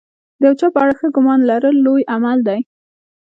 د یو چا په اړه ښه ګمان لرل لوی عمل دی.